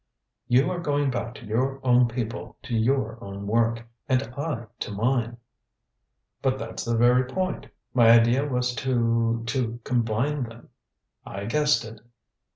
"You are going back to your own people, to your own work. And I to mine." "But that's the very point. My idea was to to combine them." "I guessed it."